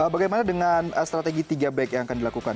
bagaimana dengan strategi tiga back yang akan dilakukan